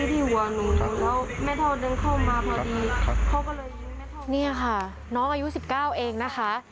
ครับครับเขาก็เลยยิงแม่เทาเนี่ยค่ะน้องอายุสิบเก้าเองนะคะ